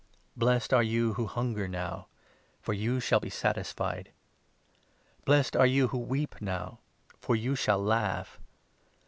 Happy. Blessed are you who hunger now, for you shall be 21 satisfied. Blessed are you who weep now, for you shall laugh.